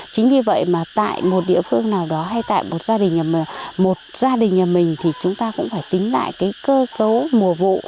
chính vì vậy mà tại một địa phương nào đó hay tại một gia đình nhà mình thì chúng ta cũng phải tính lại cái cơ cấu mùa vụ